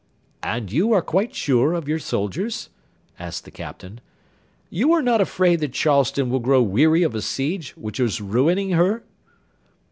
"And you are quite sure of your soldiers?" asked the Captain. "You are not afraid that Charleston will grow weary of a siege which is ruining her?"